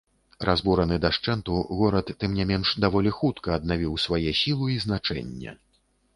Разбураны дашчэнту, горад, тым не менш, даволі хутка аднавіў свае сілу і значэнне.